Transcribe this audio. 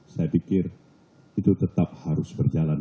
saya pikir itu tetap harus berjalan